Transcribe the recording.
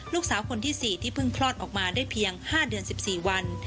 ลูกสาวคนที่๔ที่เพิ่งคลอดออกมาได้เพียง๕เดือน๑๔วัน